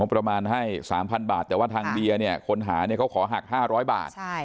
ประมาณให้๓๐๐บาทแต่ว่าทางเบียร์เนี่ยคนหาเนี่ยเขาขอหัก๕๐๐บาท